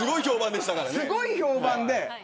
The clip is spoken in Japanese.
すごい評判で。